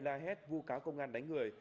la hét vô cáo công an đánh người